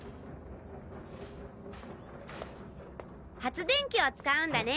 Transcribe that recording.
発電機を使うんだね。